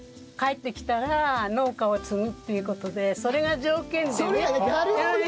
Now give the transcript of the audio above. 帰ってきたら農家を継ぐっていう事でそれが条件でね。